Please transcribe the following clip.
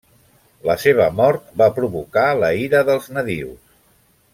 La seva mort va provocar la ira dels nadius.